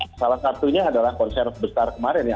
nah salah satunya adalah konser besar kemarin ya